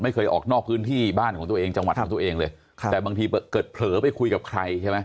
ไม่เคยออกนอกพื้นที่บ้านของตัวเองจังหวัดของตัวเองเลยค่ะแต่บางทีเกิดเผลอไปคุยกับใครใช่ไหม